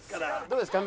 どうですか？